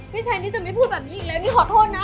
พี่ชัยนี่จะไม่พูดแบบนี้อีกแล้วนี่ขอโทษนะ